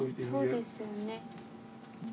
そうですよね。